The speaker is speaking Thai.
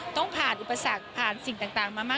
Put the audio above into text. ต้องผ่านอุปสรรคผ่านสิ่งต่างมามาก